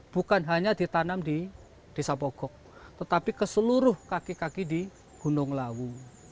bukan hanya ditanam di desa pogok tetapi ke seluruh kaki kaki di gunung lawu